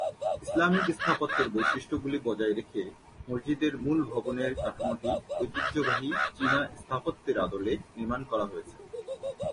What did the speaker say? Islamic স্থাপত্যের বৈশিষ্ট্যগুলি বজায় রেখে, মসজিদের মূল ভবনের কাঠামোটি ঐতিহ্যবাহী চীনা স্থাপত্যের আদলে নির্মাণ করা হয়েছে।